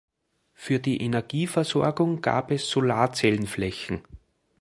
Für die Energieversorgung gab es Solarzellenflächen.